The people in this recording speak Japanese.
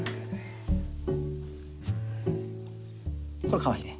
これかわいいね。